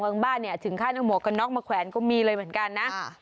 บ้านเนี่ยถึงขั้นเอาหมวกกันน็อกมาแขวนก็มีเลยเหมือนกันนะ